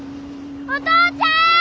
お父ちゃん！